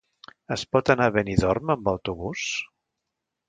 Es pot anar a Benidorm amb autobús?